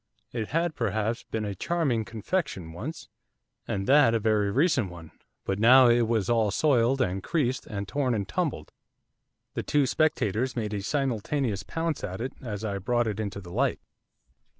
It had perhaps been a 'charming confection' once and that a very recent one! but now it was all soiled and creased and torn and tumbled. The two spectators made a simultaneous pounce at it as I brought it to the light.